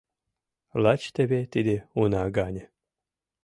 Лач теве тиде уна гане.